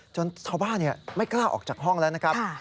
ชาวบ้านไม่กล้าออกจากห้องแล้วนะครับ